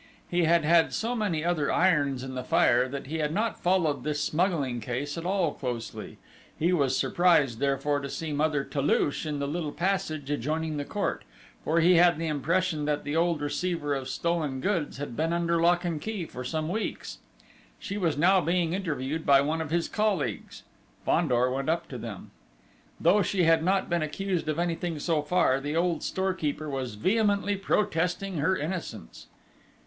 He had had so many other irons in the fire, that he had not followed this smuggling case at all closely: he was surprised, therefore, to see Mother Toulouche in the little passage adjoining the court, for he had the impression that the old receiver of stolen goods had been under lock and key for some weeks.... She was now being interviewed by one of his colleagues. Fandor went up to them. Though she had not been accused of anything so far, the old storekeeper was vehemently protesting her innocence.